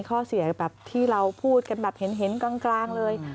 ข้อเสียแบบที่เราพูดกันแบบเห็นกลางเลย